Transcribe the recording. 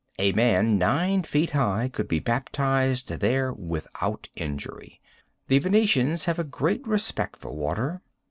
A man nine feet high could be baptized there without injury. The Venetians have a great respect for water.